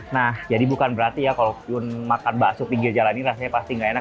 nah jadi bukan berarti ya kalau makan bakso pinggir jalan ini rasanya pasti gak enak